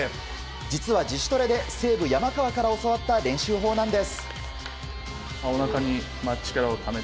実は、自主トレで西武、山川から教わった練習法なんです。